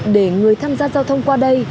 để người tham gia giao thông qua đây